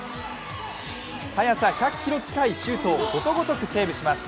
速さ１００キロ近いシュートをことごとくセーブします。